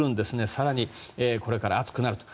更に、これから暑くなると。